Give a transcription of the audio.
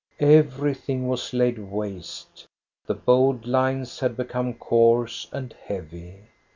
Everything was laid waste. The bold lines had become coarse and heavy.